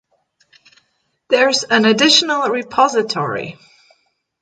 There's an additional repository